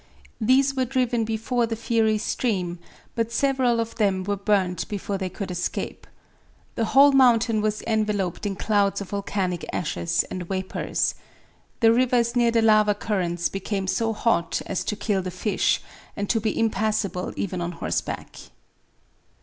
These were driven before the fiery stream, but several of them were burnt before they could escape. The whole mountain was enveloped in clouds of volcanic ashes and vapors. The rivers near the lava currents became so hot as to kill the fish, and to be impassable even on horseback.